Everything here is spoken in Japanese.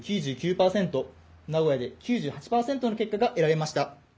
名古屋で９８％の結果が得られました。